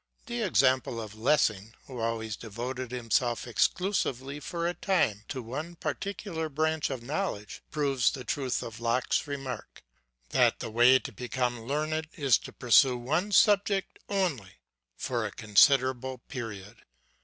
The example of Lessing, who always devoted himself exclusively for a time to one par ticular branch of knowledge, proves the truth of Locke's remark, that the way to become learned is to pursue one subject only for a considerable period.